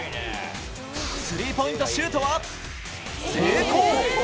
スリーポイントシュートは、成功。